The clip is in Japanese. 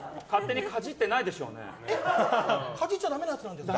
かじっちゃだめなやつですか？